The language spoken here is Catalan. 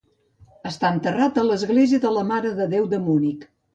Està enterrat a l'Església de la Mare de Déu de Munic.